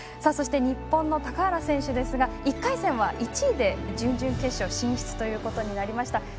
そして、日本の高原選手ですが１回戦は１位で準々決勝進出となりました。